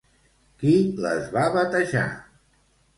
Qui les va batejar?